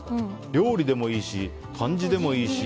料理でもいいし漢字でもいいし。